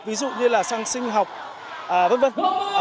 ví dụ như là xăng sinh học v v